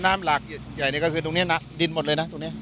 น้ำหลากใหญ่นี่ก็คือตรงนี้นะดินหมดเลยนะตรงนี้